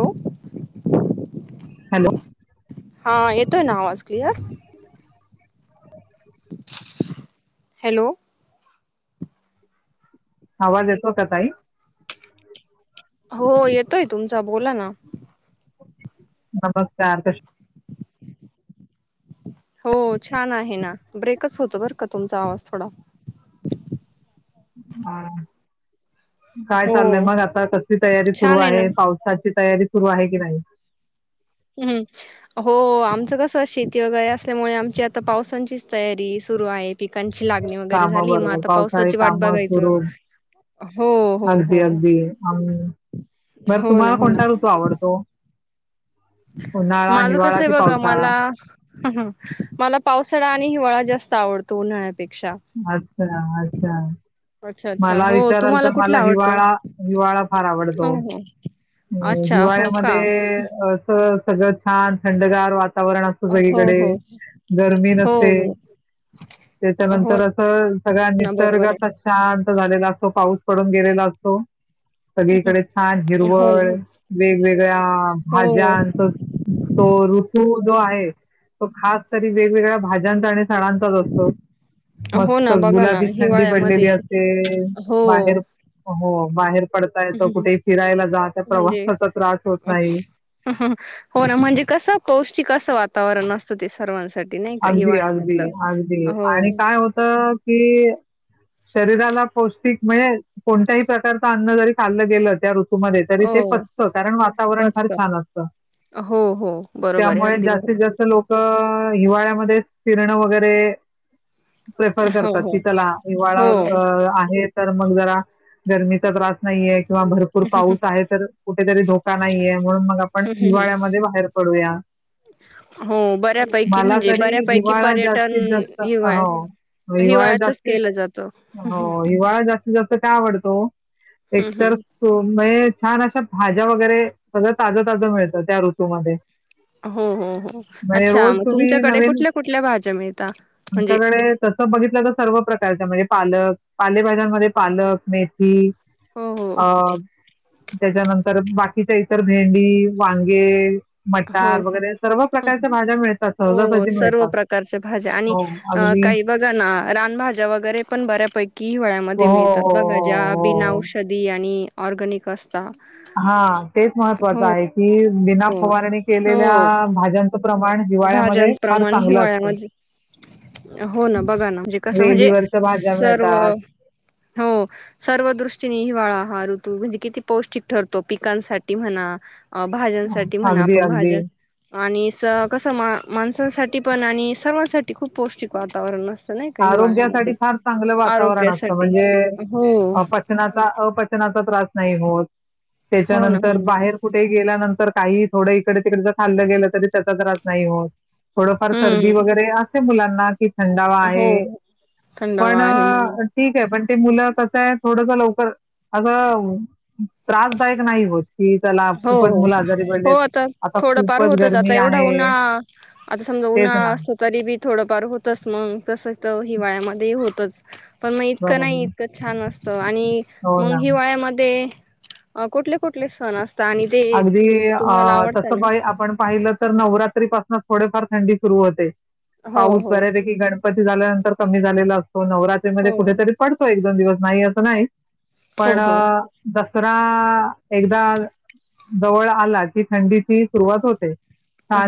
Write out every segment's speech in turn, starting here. Hello hello हा येतोय ना आवाज क्लिअर हॅलो आवाज येतो का ताई हो येतोय तुमचा बोला ना नमस्कार कृष् हो छान आहे ना ब्रेकच होत बरं का तुमचा आवाज थोडा काय हो चाललंय मग आता कसली तयारी सुरु छान ना आहे पाऊस साची तयारी सुरू आहे की नाही हम्म हो आमचं कसं शेती वगैरे असल्यामुळे आमची आता पावसाांचीच तयारी सुरू आहे पिकांची लागणी वगैरे काम झाली मग बरोबर आता पावसाळी पावसाची वाट काम बघायचं सुरू हो हो अगदी हो अगदी अं, बरं हो ना तुम्हाला हो ना कोणता ऋतू आवडतो उन्हाळा हिवाळा कि पावसाळा ह ह मला पावसाळा आणि हिवाळा जास्त आवडतो उन्हाळ्यापेक्षा अच्छा अच्छा अच्छा अच्छा मला हो विचाराल तुम्हाला तर मला कुठला आवडत हिवाळा हो हो अ अच्छा हो का हिवाळ्यामध्ये असं सगळं छान थंडगार वातावरण अस हो सगळीकडे हो गर्मीन हो नसते हो त्याच्यानंतर असं सगळ्या ना बरोबर निसर्गाचा शांत झालेला असतो पाऊस पडून गेलेला असतो आहे सगळीकडे छान हे हो ना हिरवळ वेगवेगळ्या हो भाज्या तो ऋतू जो आहे तो खास तरी वेगवेगळ्या भाज्यांचा आणि सडांचा असतो हो मस्त ना बघा ना गुलाबी थंडी पडलेली हिवाळ्यामध्ये असते हो बाहेर हो बाहेर पडता येत कुठेही फिरायला जा त्या म्हणजे प्रवासाचा त्रास होत नाही हो ना म्हणजे कसं पौष्टिक असं वातावरण असतं ते सर्वांसाठी नाही का अगदी अगदी हिवाळ्यामधलं अगदी हो आणि काय होत की शरीराला पौष्टिक मिळेल कोणत्याही प्रकारचं अन्न जरी खाल्लं गेलं त्या ऋतुमध्ये तरी ते हो पचतं कारण वातावरण फार असत छान असतं हो हो बरोबर आहे त्यामुळे अगदी जास्तीत बरोबर जास्त लोक हिवाळ्यामध्ये फिरणं वगैरे प्रेफर हो करतात हो की त्याला हिवाळा हो हम्म, आहेत तर मग जरा गरमीचा त्रास नाहीये किंवा भरपूर भरपूर पाऊस आहे तर कुठेतरी धोका नाहीये म्हणून मग आपण हम्म, हम्म. हिवाळ्यामध्ये बाहेर पडूया हो बऱ्यापैकी मला म्हणजे तरी बऱ्यापैकी हिवाळा पर्यटन जास्तीत जास्त हिवाळ्यात हिवाळ्यात हिवाळ्यातच जास्त... केलं जातं हो हिवाळा जास्तीत जास्त का आवडतो... हम्म एकतर हम्म हो... म्हे छान अशा भाज्या वगैरे सगळं... ताजं ताजं मिळतं त्या ऋतूमध्ये हो हो हो... म्हणजे अच्छा रोज मग तुम्ही तुमच्याकडे नवीन कुठल्या कुठल्या भाज्या मिळता म्हणजे म्हणजे तसं बघितलं तर सर्व प्रकारच्या... म्हणजे पालक पालेभाज्यांमध्ये पालक, मेथी हो हो अं. त्याच्यानंतर बाकीच्या इतर... भेंडी, वांगे हो मटार हो वगैरे... सर्व हं, हं. प्रकारच्या भाज्या मिळतात. हो... सहजासहजी सर्व मिळतात प्रकारचे भाज्या आणि हो अ... अगदी काही बघा ना... रानभाज्या वगैरे पण बऱ्यापैकी हि हो वळ्यामध्ये हो मिळतात... बघा ज्या आ... हो हो बिनाऔषधी आणि ऑर्गनिक अस जा. हा... तेच महत्त्वाचं आहे की, विना हो फवारणी हो केलेल्या भाज्यांचं प्रमाण हिवाळ्यामध्ये फार भाज्यांप्रमाण चांगलं असतं हिवाळ्यामध्ये हो ना... बघा ना... म्हणजे कसं, म्हणजे वेलीवरच्या भाज्या सर्व मिळतात हो सर्व दृष्टीने हिवाळा हा ऋतू... म्हणजे किती पौष्टिक ठरतो पिकांसाठी म्हणा अ... भाज्यांसाठी म्हणा... अगदी आपण अगदी भाज्या... आणि स कसं... मा... माणसांसाठी पण आणि सर्वांसाठी खूप पौष्टिक वातावरण अस आरोग्यासाठी फार चांगलं वातावरण असतं आरोग्यासाठी म्हणजे हो नाचा अपचनाचा त्रास नाही होत... हो ना त्याच्यानंतर म्हणून बाहेर कुठे गेल्यानंतर काही... थोडं इकडे तिकडेचं खाल्लं गेलं तरी त्याचा त्रास नाही होत. थोडंफार सर्दी हम्म वगैरे असते मुलांना की थंडा हो हे... पण थंडावा आहे म्हणून ठीक आहे... पण ते मुलं कसं ए... थोडसं लवकर... अगं त्रासदायक नाही होत. कि चला हो खूपच हो मुलं आजारी हो पडलेत... आता थोडंफार खूपच होतच गरमी आता एवढा आहे उन्हाळा आता समजा तेच उन्हाळा ना असतो तरी बी थोडंफार होतच मग तसंच तर हिवाळ्यामध्ये होतच. पण मग इतकं नाही... बरोबर इतकं छान असतं आणि हो मग ना हिवाळ्यामध्ये अ... कुठले कुठले? सण असतात आणि ते अगदी... अ... तुम्हाला आवडतं तसं पाहिलं... ना आपण पाहिलं तर नवरात त्रीपासून थोडेफार थंडी सुरू होते... हो पाऊस हो बऱ्यापैकी की गणपती झाल्यानंतर कमी झालेला असतो... हो नवरात्रीमध्ये कुठेतरी पडतो एक दोन दिवस... नाही असं नाही. पण हो हो दसरा एकदा जवळ आला की थंडीची सुरुवात होते.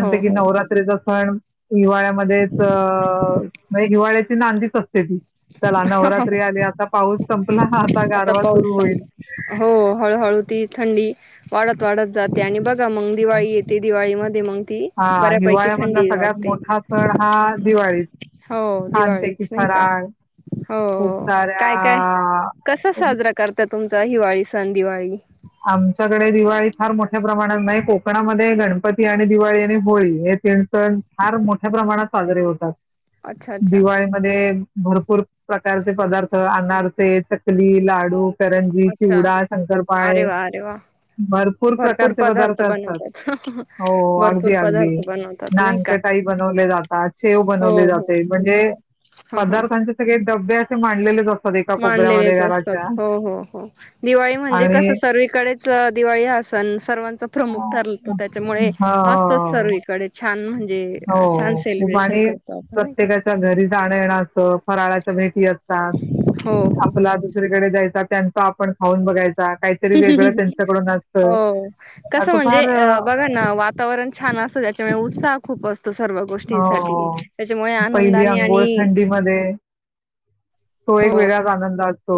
हो कि हो नवरात्रीचा सण... हिवाळ्यामध्येच... म्हणजे हिवाळ्या नांदीच असते ती... चला नवरात्री आली... आता पाऊस संपला.... आता गारवा पाऊस सुरू सण होईल. हो... हळूहळू ती थंडी वाढत वाढत जाते आणि बघ मग दिवाळी येते... दिवाळी मधी मग ती... हां, बऱ्यापैकी हिवाळ्यामधला थंडी सगळ्यात वाढते. मोठा सण हा दिवाळीच. हो छान पैकी दिवाळीच नाही का फराळ... हो खूप हो साऱ्या काय काय कसा साजरा करता तुमचा हिवाळी सण दिवाळी? आमच्याकडे दिवाळी फार मोठ्या प्रमाणात नाही... कोकणामध्ये गणपती आणि दिवाळी आणि होळी हे तीन सण फार मोठ्या प्रमाणात साजरे होतात... अच्छा अच्छा दिवाळीमध्ये भरपूर प्रकारचे पदार्थ अनारसे... चकली, लाडू करंजी, चिवडा, शंकरपाळे आरे वा. भरपूर प्रकारचे पदार्थ असतात हो अगदी भरपूर अगदी. पदार्थ बनवतात नाही का नानकटाई बनवले जातात शेव हो बनवले हो जाते म्हणजे हा हा. बे असे मांलेले जात मानलेलेच असतात हो हो हो दिवाळी म्हणजे कस आणि सर्वीकडेच दिवाळी ह सण सर्वांचा प्रमुख हो ठरलतो त्याच्यामुळे असतोच सर्व इकडे छान म्हणजे छान हो खूप सेलिब्रेशन आणि करतो आपण नाही का प्रत्येकाच्या घरी जा ये फराळाच्या भेटी असतात. हो तुला दुसरीकडे जायचा त्यांच आपण खाऊन बघायचा काहीतरी हो वेगळं त्यांच्याकडून असतं. हो कसं असं म्हणजे फार अ बघा ना वातावरण छान असत त्याच्यामुळे उत्साह खूप असतो सर्व गोष्टींसाठी हो त्याच्यामुळे आनंदाने आणि मध्ये हो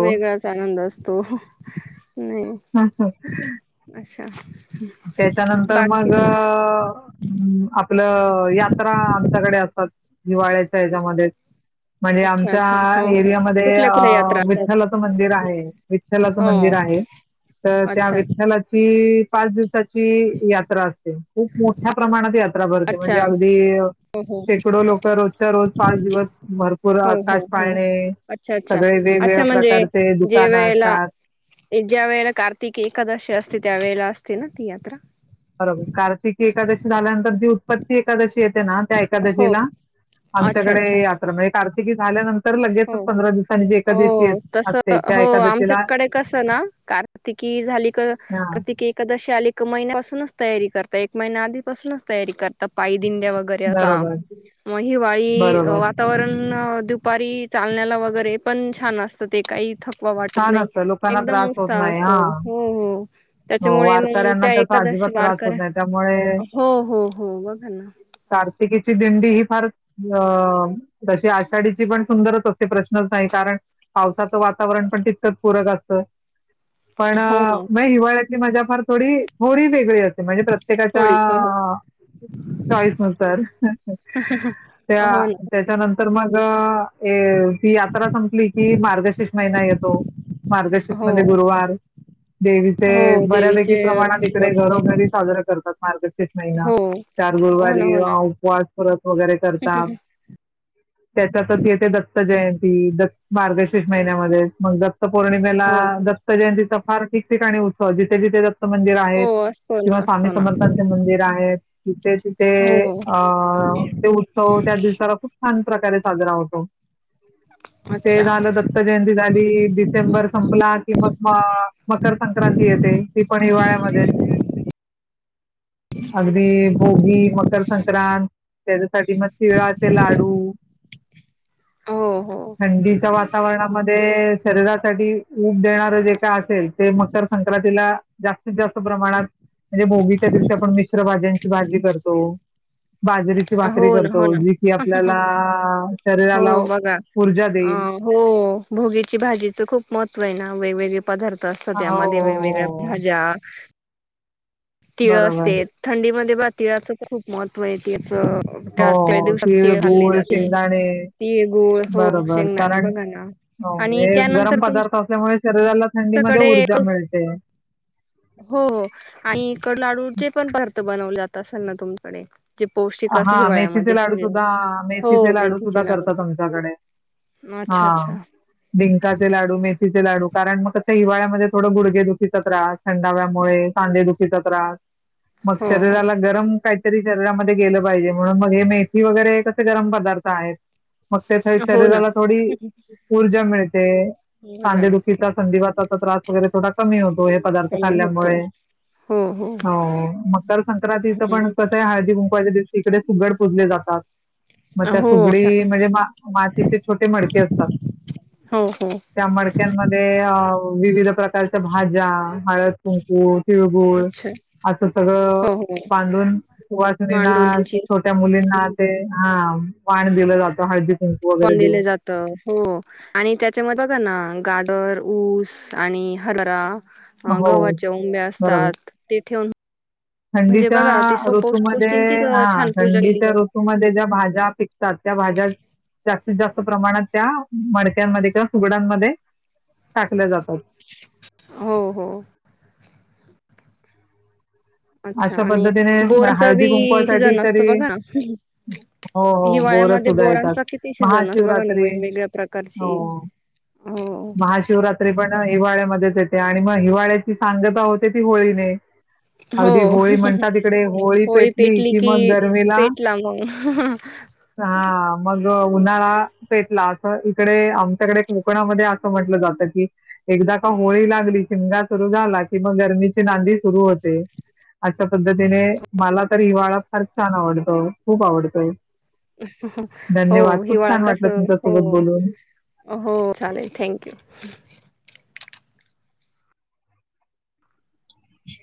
वेगळाच आनंद असतो, नाही- हा हा अच्छा त्याच्यानंतर बाकी मग- आपलं यात्रा आमच्याकडे असतात. हिवाळ्याच्या हच्यामध्ये म्हणजे अच्छा आमच्या अच्छा हो हो एरियामध्ये कुठल्या कुठल्या यात्रा असतात विठ्ठलाचं मंदिर आहे विठ्ठलाचं हो मंदिर आहे. तर त्या अच्छा अच्छा व लाची पाच दिवसाची यात्रा असते खूप मोठ्या प्रमाणात यात भर अच्छा म्हणजे अगदी. हो हो शेकडो लोक रोजच्या रोज पाच दिवस भरपूर हो आकाश हो हो पाळणे. अच्छा अच्छा सगळे वेगवेगळ्या अच्छा म्हणजे प्रकारचे जे दुकानं वेळेला असतात. ज्या वेळेला कार्तिक एकादशी असते त्यावेेळेला असते ना ती यात्रा. बरोबर कार्तिकी एकादशी झाल्यानंतर, दिवस- तर ती एकादशी येते ना त्या हो एकादशीला अच्छा आमच्याकडे अच्छा यात्रा म्हणजे कार्तिकी झाल्यानंतर- हो हो पंधरा दिवसांनी जी एकादशी हो, येत- तस असते, त्या हो एकादशीला आमच्याकडे कसं ना कार्तिकी झाली क हां. कार्तिकी एकादशी आली एक महिन्यापासूनच तयारी करत एक महिना आधीपासूनच तयारी करत पाय दिंड्या वगैरे बरे असा. बरोबर, मग हिवाळी बरोबर. वातावरण दुपारी चालण्याला वगैरे पण छान असतं. ते काही थक वा वाटत छान नाही असतं लोकांना एकदम त्रास होत उस्ताह नाही असतो. हां. हो, हो हो, त्याच्यामुळे मग वारकऱ्यांना त्या त्याचा अजिबात एखादशी त्रास होत वारकऱ्या नाही त्यामुळे हो, हो हो बघा ना. कार्तिकेची दिंडी ही फार अ तशी आषाढीची पण सुंदरच असते प्रश्नच नाही कारण पावसाचं वातावरण पण तितकच पूरक असतं. पण हो ना मग हिवाळ्यातली मजा फार थोडी, थोडी वेगळी असते. म्हणजे प्रत्येकाच्या होळी हो चॉईस नुसार त्या हो ना त्याच्यानंतर मग हे, ती यात्रा संपली की मार्ग मार्गशिष महिना येतो, मार्गशीष हो मध्ये गुरुवार, देवीचे हो बऱ्यापैकी देवीचे प्रमाणात इकडे उपवास असतात घरोघरी साजरा करतात मार्गशिष महिना हो चार हो ना गुरुवारी हो ना उपवास व्रत वगैरे करतात. त्याच्यातच येते दत्त जयंती द मार्गशीर्ष महिन्यामध्ये मग दत् दत्त पौर्णिमेला, हो हो दत्त जयंतीचा फार ठिक-ठिकाणी उत्सव, जिथे-जिथे दत्त मंदिर आहेत हो, असतो किंवा ना स्वामी असतो ना समर्थांचे मंदिर आहे. जिथे-तिथे हो अ ते उत्सव, त्या दिवसाला खूप छान प्रकारे साजरा होतो, ते अच्छा झालं द जयंती झाली, डिसेंबर संपला, कि मग मकर सं संक्रांती येते, ती पण हिवाळ्यामध्येच, अगदी भोगी, मकर संक्रांत, त्याच्यासाठी मग तिळाचे लाडू हो हो. थंडीच्या वातावरणामध्ये, शरीरासाठी ऊब देणारं जे काय असेल, ते मग मकर संक्रांतीला, जास्तीत जास्त प्रमाणात, म्हणजे भोगीच्या दि मिक्स भाज्यांची भाजी करतो. बाजरीची हो भाकरी ना करतो, हो ना जी की आपल्याला हो शरीराला बघा ऊर्जा अ देईल हो, भोगीची भाजीचं खूप महत्त्व आहे ना, वेगवेगळे पदार्थ असतात हो हो त्यामध्ये, वेगवेगळ्या हो भाज्या, तिळ बरोबर असते, थंडी मध्ये बा तिळाच तर खूप महत्वय तेचं, हो त्या त्या हो दिवसात तीळ खाल्ली गूळ जाते. शेंगदाणे तीळ, गूळ हो, बरोबर शेंगदाणे कारण बघा ना. हो, आणि हे गरम पदार्थ असल्यामुळे शरीराला थंडीमध्ये कडे हो ऊर्जा मिळते हो, आणि इकड लाडूचे पण [unintelligible] बनवले जात असेल ना तुमच्याकडे? जे पौष्टिक अस हा मेथीचे लाडू हिवाळ्यामध्ये, सुद्धा हो, मेथीचे लाडू सुद्धा मेथीचे लाडू. करतात आमच्याकडे हा अच्छा! अच्छा! डिंकाचे लाडू, मेथीचे लाडू, कारण मग कसं हिवाळ्यामध्ये थोडं गुडघे दुखीचा त्रास. थंडाव्यामुळे, सांदे दुखीचा त्रास, मग हो हो शरीराला गरम काहीतरी, शरीरामध्ये गेलं पाहिजे, म्हणून मग हे मेथी वगैरे कसे गरम पदार्थ आहेत. मग त्या हो ना शरीराला थोडी ऊर्जा मिळते, मजा मिळते सांदेडुखीचा संधी वाताचा त्रास, वगैरे थोडा कमी होतो. पदार्थ कमी होतो खाल्ल्यामुळे, हो, मकरसंक्रांतीच पण हम्म हळदी कुंकच्या दिवशी, इकडे सुगड पूजले जातात. मग त्या हो अच्छा सुगडी म्हणजे, मातीचे छोटे मडके असतात. हो हो. त्या मडक्यांमध्ये अ विविध प्रकारच्या भाज्या, हळद कुंकू, तिळगूळ अच्छा असं सगळं हो हो बांधून वा मांडून त्यांची छोट्या मुलींना, ते, हा, वाण दिलं जात हळदी कुंकू वगैरे पण दिलं देऊन. जात, हो आणि त्याच्यामध्ये बघा ना, गाजर का ऊस, आणि हरभरा ह हो, गव्हाच्या उंब्या बरोबर. असतात, ते ठेवून म्हणजे थंडीच्या बघा ते स पौष्टिक गोष्टींचीच ऋतूमध्ये, हा, छान पूजा केली थंडीच्या जाते. ऋतूमध्ये, ज्या भाज्या पिकत त्या भाज्या जास्तीत जास्त प्रमाणात त्या मडक्यांमध्ये किंवा सुगडांमध्ये टाकल्या जातात. हो हो. अच्छा अशा आणि पद्धतीने, बोराचा हळदी बी कुंकुवासाठी सीझन असतो तरी बघा हो हो, बोरस हिवाळ्यामध्ये सुद्धा येतात, बोरांचा किती सीझन असतो बघा ना महाशिवरात्री, वेगवेगळ्या हो. प्रकारची हो महाशिवरात्री पण हिवाळ्यामध्येच येते, आणि मग हिवाळ्याची सांगता होते ती होळीने हो अगदी होळी म्हणतात तिकडे होळी पेटली कि मग की गर्मीला पेटला मग हा मग उन्हाळा पेटला अस इकडे आमच्याकडे कोकणामध्ये अस अस म्हटलं जातं की एकदा का होळी लागली शिमगा सुरू झाला कि म गरमीची नांदी सुरू होते अशा पद्धतीने मला तर हिवाळा फार छान आवडतो खूप आवडतोय हो हिवाळा कस वाटलं हो तुमच्यासोबत बोलून हो चालेल थँक्यू ह्